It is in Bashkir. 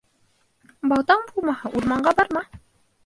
Балтаң булмаһа, урманға барма.